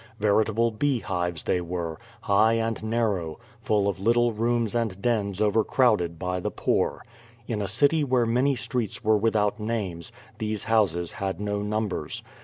Veritable beehives they were, high and narrow, full of little rooms and dens over crowded by the poor. In a city where many streets were without names, these houses had no numbers.